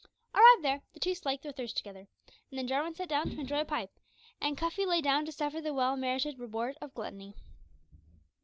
Arrived there, the two slaked their thirst together, and then Jarwin sat down to enjoy a pipe, and Cuffy lay down to suffer the well merited reward of gluttony.